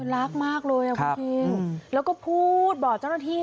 รักมากเลยอ่ะคุณคิงแล้วก็พูดบอกเจ้าหน้าที่